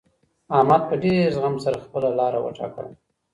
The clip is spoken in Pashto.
احمد په ډېر زغم سره خپله لاره وټاکله.